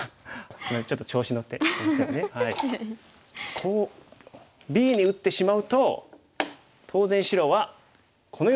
こうＢに打ってしまうと当然白はこのようにきますね。